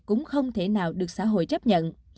cũng không thể nào được xã hội chấp nhận